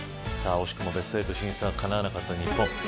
惜しくもベスト８進出がかなわなかった日本。